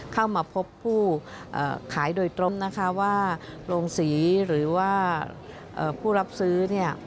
เข้ามาพบผู้ขายโดยตรงนะคะว่าโรงศรีหรือว่าผู้รับซื้อเนี่ย